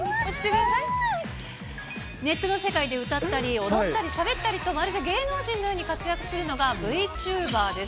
ネットの世界で歌ったり、踊ったりしゃべったりと、まるで芸能人のように活躍するのがＶチューバーです。